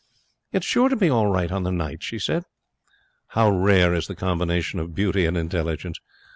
'It's sure to be all right on the night,' she said. How rare is the combination of beauty and intelligence!